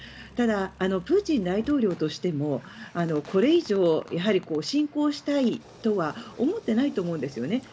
ただ、プーチン大統領としてもこれ以上侵攻したいとは思ってないと思うんですよね。